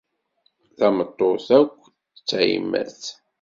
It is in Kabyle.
Tameṭṭut akk d tayemmat.